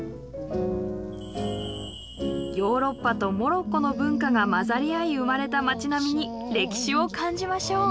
ヨーロッパとモロッコの文化が交ざり合い生まれた町並みに歴史を感じましょう。